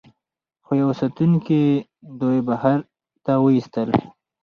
خو یوه ساتونکي دوی بهر ته وویستل